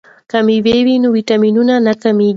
که میوه وي نو ویټامین نه کمیږي.